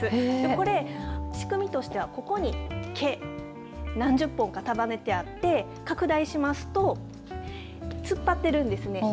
これ仕組みとしては、ここに毛何十本か束ねてあって拡大しますと突っ張っているんですね。